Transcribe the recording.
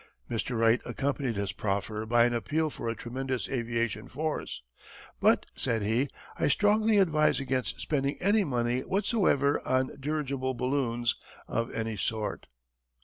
Mr. Wright accompanied his proffer by an appeal for a tremendous aviation force, "but," said he, "I strongly advise against spending any money whatsoever on dirigible balloons of any sort."